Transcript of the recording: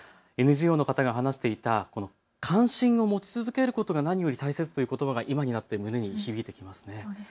ＮＧＯの方が話していた関心を持つ続けることが何より大切ということばが今になって胸に響いてきますね。